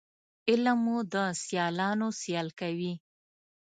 علم مو د سیالانو سیال کوي